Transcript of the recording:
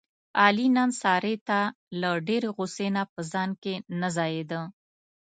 علي نن سارې ته له ډېرې غوسې نه په ځان کې نه ځایېدا.